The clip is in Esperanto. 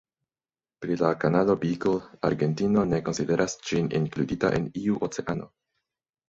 Pri la kanalo Beagle, Argentino ne konsideras ĝin inkludita en iu oceano.